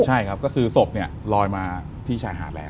ใช่ครับก็คือศพเนี่ยลอยมาที่ชายหาดแล้ว